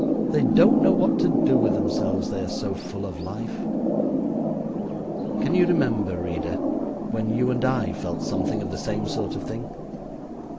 They don't know what to do with themselves, they are so full of life. Can you remember, reader, when you and I felt something of the same sort of thing?